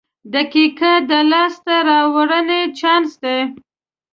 • دقیقه د لاسته راوړنې چانس دی.